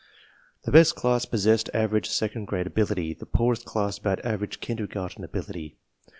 The best class possessed average second grade ability, the poor est class about average kindergarten ability.